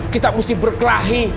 kita mesti berkelahi